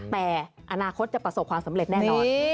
แต่อนาคตจะประสบความสำเร็จแน่นอน